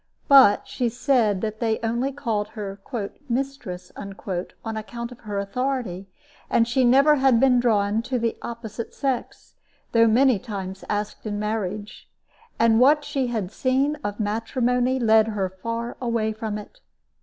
But she said that they only called her "Mistress" on account of her authority, and she never had been drawn to the opposite sex, though many times asked in marriage. And what she had seen of matrimony led her far away from it.